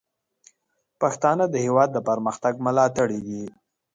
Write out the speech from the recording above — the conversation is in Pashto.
پښتانه د هیواد د پرمختګ ملاتړي دي.